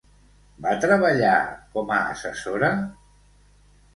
Va treballar com a assessora?